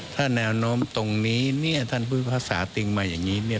ถ้าแนวโน้มตรงนี้เนี่ยท่านพูดภาษาติงมาอย่างนี้เนี่ย